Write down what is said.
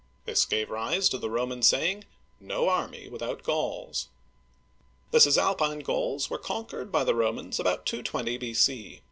This gave rise to the Roman saying, " No army without Gauls." The Cisalpine Gauls were conquered by the Romans about 220 b.c.